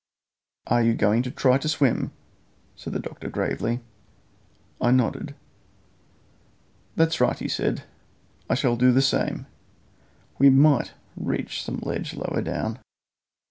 "Are you going to try to swim?" said the doctor gravely. I nodded. "That's right," he said. "I shall do the same. We might reach some ledge lower down."